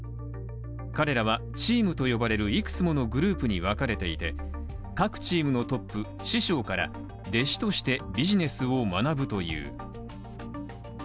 彼らはチームと呼ばれるいくつものグループに分かれていて各チームのトップ・師匠から弟子としてビジネスを学ぶという。